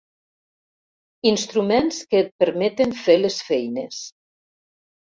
Instruments que et permeten fer les feines.